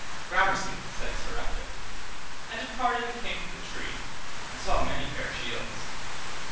Gramercy, said Sir Ector, and departed and came to the tree, and saw many fair shields.